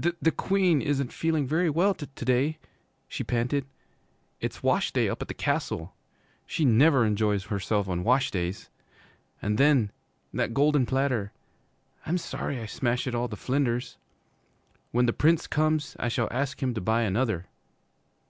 'Th the Queen isn't feeling very well to day,' she panted. 'It's wash day up at the Castle. She never enjoys herself on wash days. And then that golden platter I'm sorry I smashed it all to flinders! When the Prince comes I shall ask him to buy another.'